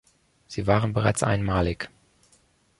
Sie waren bereits einmalig.